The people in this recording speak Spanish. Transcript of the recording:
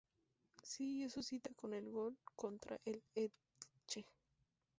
Siguió su cita con el gol contra el Elche.